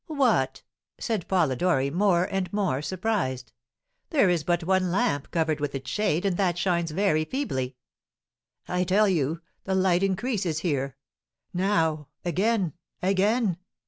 "What!" said Polidori, more and more surprised. "There is but one lamp covered with its shade, and that shines very feebly." "I tell you, the light increases here. Now, again again!